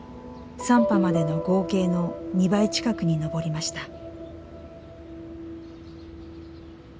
３波までの合計の２倍近くに上りました。